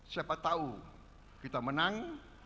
siapa tahu kita menang